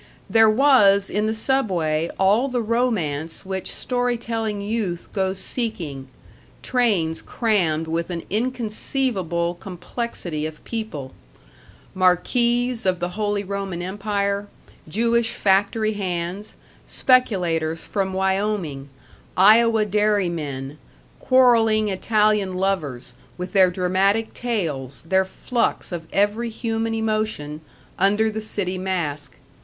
There was in the Subway all the romance which story telling youth goes seeking: trains crammed with an inconceivable complexity of people marquises of the Holy Roman Empire, Jewish factory hands, speculators from Wyoming, Iowa dairymen, quarreling Italian lovers, with their dramatic tales, their flux of every human emotion, under the city mask.